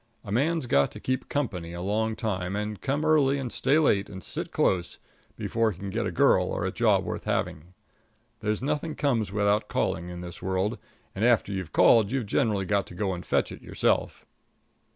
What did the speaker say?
A man's got to keep company a long time, and come early and stay late and sit close, before he can get a girl or a job worth having. There's nothing comes without calling in this world, and after you've called you've generally got to go and fetch it yourself.